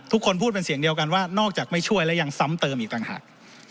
ทุกคนพูดเป็นเสียงเดียวกันว่านอกจากไม่ช่วยและยังซ้ำเติมอีกต่างหาก